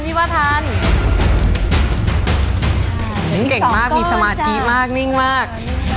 ฉันเก่งมากมีสมาธิมากนิ่งมาก